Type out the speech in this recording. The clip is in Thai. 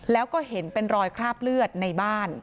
แล้วก็เห็นเป็นรอยคราบเลือดในบ้าน